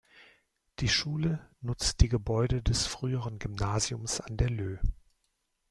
Die Schule nutzt die Gebäude des früheren "Gymnasiums an der Löh".